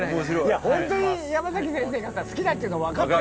いや本当にヤマザキ先生がさ好きだっていうの分かって。